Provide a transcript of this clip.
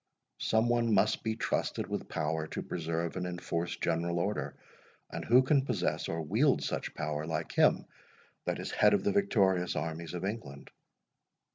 Some one must be trusted with power to preserve and enforce general order, and who can possess or wield such power like him that is head of the victorious armies of England?